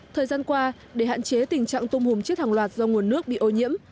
thời gian qua để hạn chế tình trạng tôm hùm chết hàng loạt do nguồn nước bị ô nhiễm